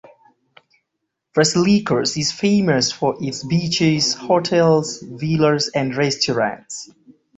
Vasilikos is famous for its beaches, hotels, villas and restaurants.